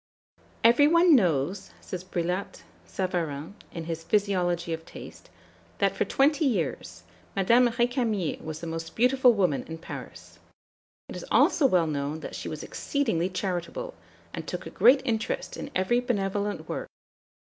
"Every one knows," says Brillat Savarin, in his "Physiology of Taste," "that for twenty years Madame Récamier was the most beautiful woman in Paris. It is also well known that she was exceedingly charitable, and took a great interest in every benevolent work.